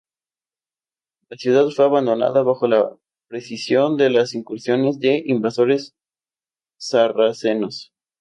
La ciudad fue abandonada bajo la presión de las incursiones de invasores Sarracenos.